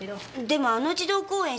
でもあの児童公園